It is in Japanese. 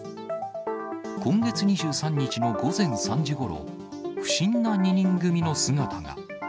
今月２３日の午前３時ごろ、不審な２人組の姿が。